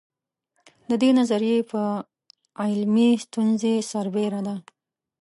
د دې نظریې پر علمي ستونزې سربېره ده.